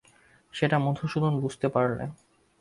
সেটা মধুসূদন বুঝতে পারলে।